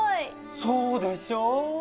そうでしょう。